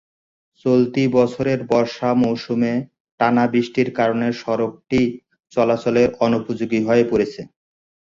চলতি বছরের বর্ষা মৌসুমে টানা বৃষ্টির কারণে সড়কটি চলাচলের অনুপযোগী হয়ে পড়েছে।